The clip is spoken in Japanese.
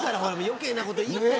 余計なこと言うて。